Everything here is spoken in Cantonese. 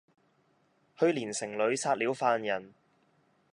去年城裏殺了犯人，